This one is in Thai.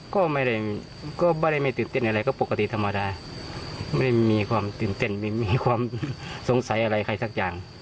ก็ไม่ได้ก็ไม่ได้ไม่ตื่นเต้นอะไรก็ปกติธรรมดาไม่มีความตื่นเต้นไม่มีความสงสัยอะไรใครสักอย่าง